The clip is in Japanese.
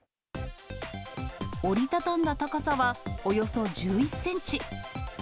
折り畳んだ高さはおよそ１１センチ。